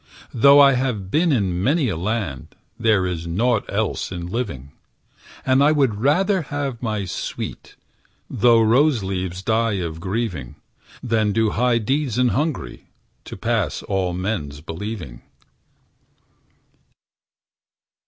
Though I have been in many a land, There is naught else in living. And I would rather have my sweet, Though rose leaves die of grieving, Than do high deeds in Hungary To pass all men's believing.